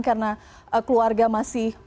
karena keluarga masih